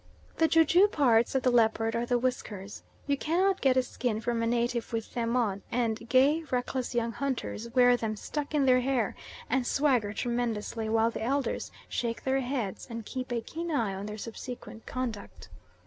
The ju ju parts of the leopard are the whiskers. You cannot get a skin from a native with them on, and gay, reckless young hunters wear them stuck in their hair and swagger tremendously while the Elders shake their heads and keep a keen eye on their subsequent conduct.